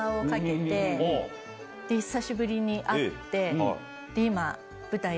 久しぶりに会って。